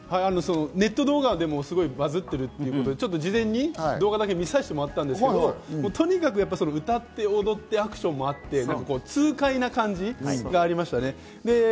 ネット動画でもすごくバズってるということで、事前に動画だけ見させてもらったんですけ、とにかく歌って踊ってアクションもあって痛快な感じがありましたね。